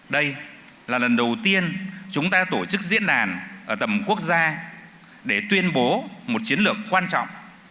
đây là lần đầu tiên chúng ta tổ chức diễn đàn ở tầm quốc gia để tuyên bố một chiến lược quan trọng